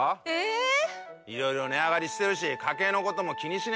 いろいろ値上がりしてるし家計のことも気にしねぇとな。